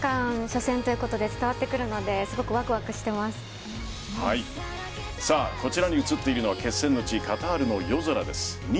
初戦ということで伝わってくるのでこちらに映っているのは決戦の地カタールの夜空です。